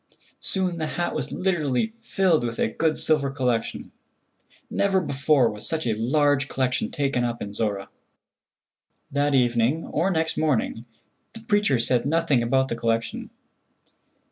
Soon the hat was literally filled with a good silver(?) collection. Never before was such a large collection taken up in Zorra. That evening or next morning the preacher said nothing about the collection.